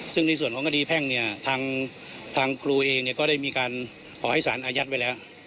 ซึ่งในส่วนของคดีแพ่งเนี่ยทางครูเองก็ได้มีการขอให้สารอายัดไว้แล้ว